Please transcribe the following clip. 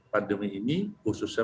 pandemi ini khususnya